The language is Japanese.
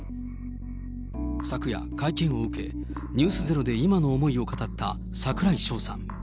昨夜会見を受け、ｎｅｗｓｚｅｒｏで今の思いを語った櫻井翔さん。